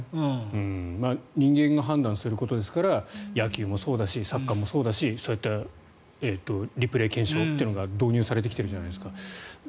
人間が判断することですから野球もそうだしサッカーもそうだし、そういったリプレー検証というのが導入されてきているじゃないですか。